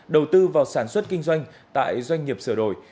đầu tư vào sản xuất kinh doanh tại doanh nghiệp sửa đổi